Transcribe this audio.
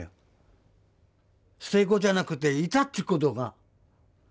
捨て子じゃなくていたっていうことが。